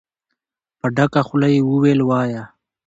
په ډکه خوله يې وويل: وايه!